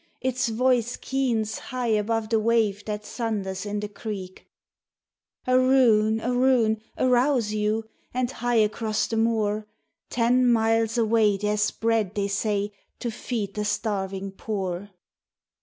Its voice keens high above the wave that thunders in the creek, "Aroon, aroon, arouse you, and hie across the moor ! Ten miles away there's bread they say to feed the starving poor.